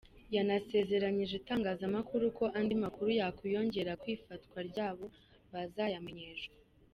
Yanasezeranije itangazamakuru ko andi makuru yakwiyongera kw’ifatwa ryabo bazayamenyeshwa.